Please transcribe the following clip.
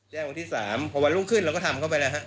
วันที่๓พอวันรุ่งขึ้นเราก็ทำเข้าไปแล้วฮะ